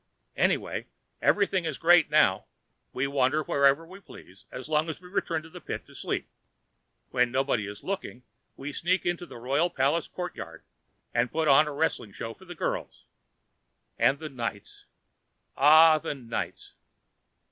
Anyway, everything is great now. We wander wherever we please, as long as we return to the pit to sleep. When nobody is looking, we sneak into the royal palace courtyard and put on a wrestling show for the girls. And the nights! Ah, the nights!